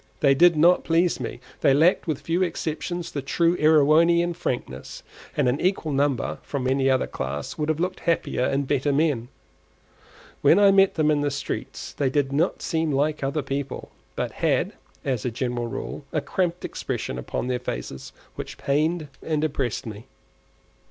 They did not please me; they lacked, with few exceptions, the true Erewhonian frankness; and an equal number from any other class would have looked happier and better men. When I met them in the streets they did not seem like other people, but had, as a general rule, a cramped expression upon their faces which pained and depressed me.